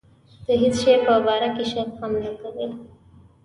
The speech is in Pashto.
د هېڅ شي په باره کې شک هم نه کوي.